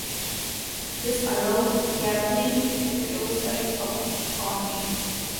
This allowed Capelli to close right up on him.